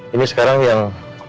ini sekarang yang